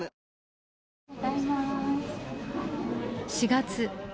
４月。